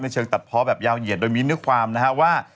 เชิงตัดเพาะแบบยาวเหยียดโดยมีเนื้อความนะฮะว่า